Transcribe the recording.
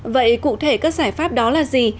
vậy cụ thể các giải pháp đó là gì